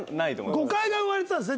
誤解が生まれてたんですね。